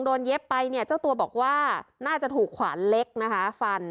เย็บไปเนี่ยเจ้าตัวบอกว่าน่าจะถูกขวานเล็กนะคะฟัน